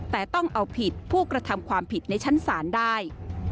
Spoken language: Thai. แต่ต้องเอาผิดผู้กระทำความผิดในชั้นศาลได้